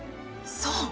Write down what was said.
そう！